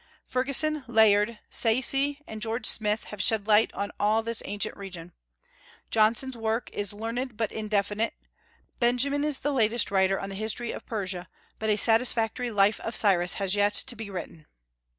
Fergusson, Layard, Sayce, and George Smith have shed light on all this ancient region. Johnson's work is learned but indefinite. Benjamin is the latest writer on the history of Persia; but a satisfactory life of Cyrus has yet to be written.